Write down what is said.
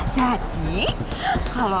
jadi kalo lu mau tau